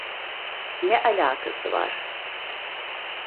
Ne alakası var?